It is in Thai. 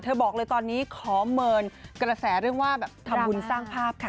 บอกเลยตอนนี้ขอเมินกระแสเรื่องว่าแบบทำบุญสร้างภาพค่ะ